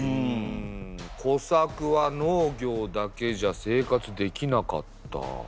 小作は農業だけじゃ生活できなかった。